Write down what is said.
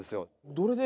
どれで？